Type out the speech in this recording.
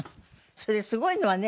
それすごいのはね